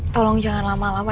tolong jangan lama lama